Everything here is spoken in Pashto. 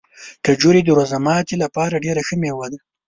کجورې د روژه ماتي لپاره ډېره ښه مېوه ده.